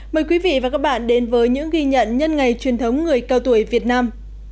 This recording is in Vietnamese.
mời quý vị và các bạn đến với những ghi nhận nhân ngày truyền thống người cao tuổi việt nam